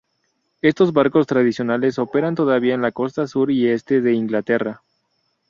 Estos barcos tradicionales operan todavía en en la costa sur y este de Inglaterra.